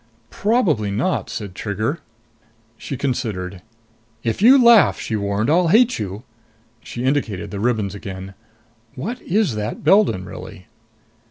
"Probably not," said Trigger. She considered. "If you laugh," she warned, "I'll hate you." She indicated the ribbons again. "What is that Beldon really?"